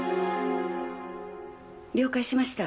了解しました。